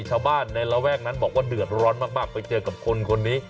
ชาวบ้านในระแวกนั้นบอกว่าเดือดร้อนมากไปเจอกับคนคนนี้